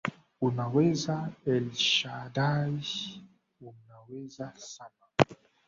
Unaweza Elshaddai Unaweza sana.